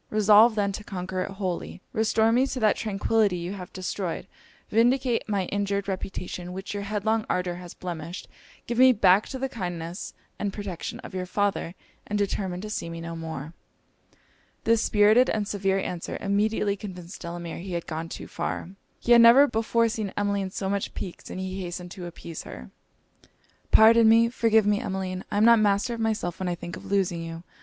Resolve, then, to conquer it wholly: restore me to that tranquillity you have destroyed vindicate my injured reputation, which your headlong ardour has blemished give me back to the kindness and protection of your father and determine to see me no more.' This spirited and severe answer, immediately convinced Delamere he had gone too far. He had never before seen Emmeline so much piqued, and he hastened to appease her. 'Pardon me! forgive me, Emmeline! I am not master of myself when I think of losing you!